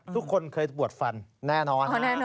ทุกคนเคยปวดฟันแน่นอน